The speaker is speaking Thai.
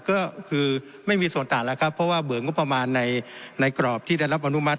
ก็คือไม่มีส่วนต่างแล้วครับเพราะว่าเบื่องบประมาณในกรอบที่ได้รับอนุมัติ